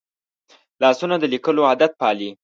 لاسونه د لیکلو عادت پالي